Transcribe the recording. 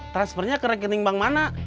transfernya ke rekening bank mana